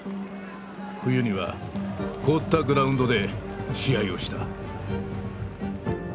冬には凍ったグラウンドで試合をした。